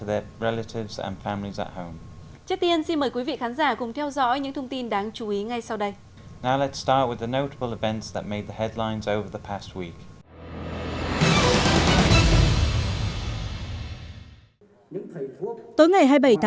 trước tiên xin mời quý vị khán giả cùng theo dõi những thông tin đáng chú ý ngay sau đây